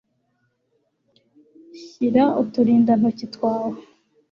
shyira uturindantoki twawe